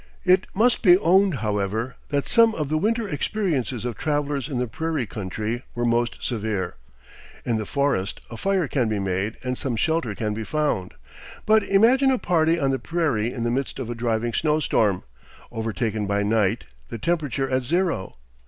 It must be owned, however, that some of the winter experiences of travelers in the prairie country were most severe. In the forest a fire can be made and some shelter can be found. But imagine a party on the prairie in the midst of a driving snowstorm, overtaken by night, the temperature at zero.